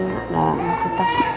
mau ngasih tas